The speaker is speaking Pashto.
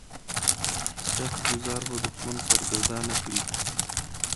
سخت ګوزار به دښمن سرګردانه کړي.